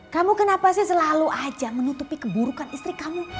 kamu kenapa sih selalu aja menutupi keburukan istri kamu